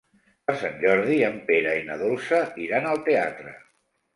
Per Sant Jordi en Pere i na Dolça iran al teatre.